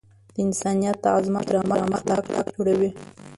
د انسان د عظمت او کرامت اخلاق جوړوي.